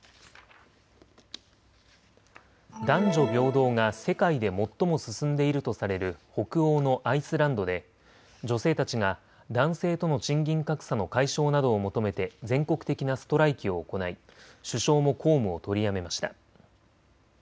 男女平等が世界で最も進んでいるとされる北欧のアイスランドで女性たちが男性との賃金格差の解消などを求めて全国的なストライキを行い首相も公務を取りやめました。